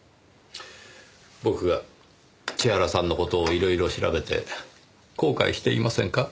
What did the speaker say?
僕が千原さんの事をいろいろ調べて後悔していませんか？